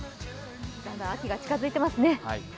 だんだん秋が近づいていますね。